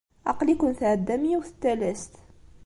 Aql-iken tɛeddam i yiwet n talast.